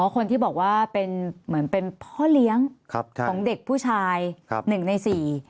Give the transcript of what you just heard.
คนที่บอกว่าเป็นเหมือนเป็นพ่อเลี้ยงของเด็กผู้ชาย๑ใน๔